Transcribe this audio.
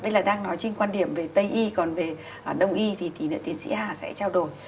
đây là đang nói trên quan điểm về tây y còn về đông y thì tiến sĩ hà sẽ trao đổi